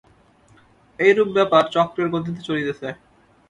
এইরূপ ব্যাপার চক্রের গতিতে চলিতেছে।